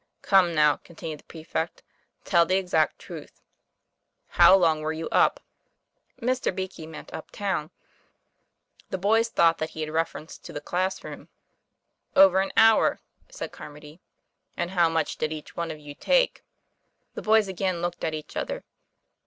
"Come, now," continued the prefect, 'tell the exact truth. How long were you up?" (Mr. Beakey meant uptown; the boys thought that he had reference to the class room.) "Over an hour," said Carmody. "And how much did each one of you take?" The boys again looked at each other.